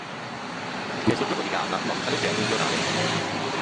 Nel soggiorno di casa, il nonno sta leggendo il giornale.